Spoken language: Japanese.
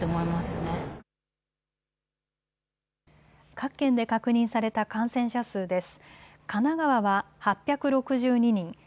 各県で確認された感染者数です。